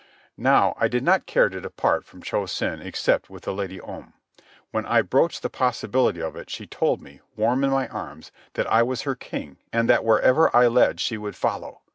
Now I did not care to depart from Cho Sen except with the Lady Om. When I broached the possibility of it she told me, warm in my arms, that I was her king and that wherever I led she would follow.